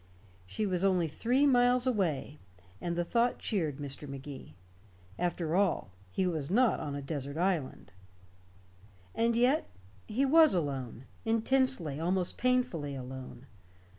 She was only three miles away, and the thought cheered Mr. Magee. After all, he was not on a desert island. And yet he was alone, intensely, almost painfully, alone.